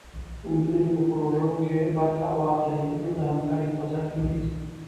نجونې په پروژو کې برخه واخلي، نو د همکارۍ فضا ټینګېږي.